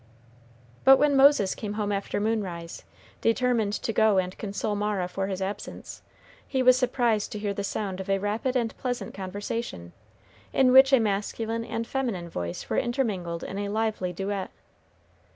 But when Moses came home after moonrise, determined to go and console Mara for his absence, he was surprised to hear the sound of a rapid and pleasant conversation, in which a masculine and feminine voice were intermingled in a lively duet.